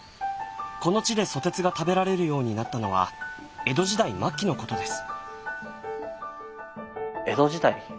この地でソテツが食べられるようになったのは江戸時代末期のことです。